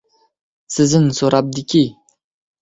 Szin so‘rabdiki: